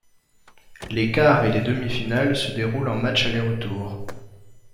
Les quarts et les demi-finales se déroulent en match aller-retour.